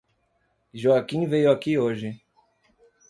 Joaquim veio aqui hoje.